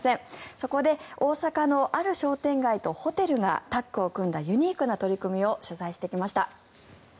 そこで大阪のある商店街とホテルがタッグを組んだユニークな取り組みを取材してきました。